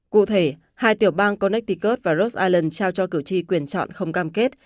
cụ thể hai tiểu bang connecticut và rhode island trao cho cử tri quyền chọn không cam kết